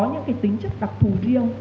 những cái tính chất đặc thù riêng